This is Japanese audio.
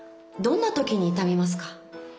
どんなときに痛みますか？